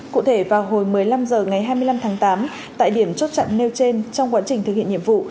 cụ thể vào hồi một mươi năm h ngày hai mươi năm tháng tám tại điểm chốt chặn nêu trên trong quá trình thực hiện nhiệm vụ